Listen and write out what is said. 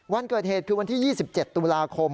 วันเกิดเหตุคือวันที่๒๗ตุลาคม